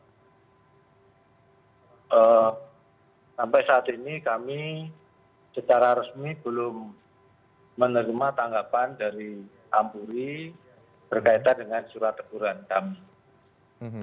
sampai saat ini kami secara resmi belum menerima tanggapan dari ampuri berkaitan dengan surat teguran kami